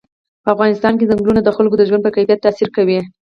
په افغانستان کې ځنګلونه د خلکو د ژوند په کیفیت تاثیر کوي.